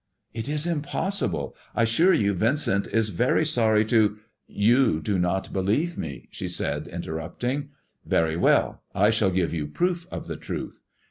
" It is impossible. I assure you Yincent is very sorry to ''" You do not believe me," she said, interrupting. Yery well, I shall give you proof of the truth.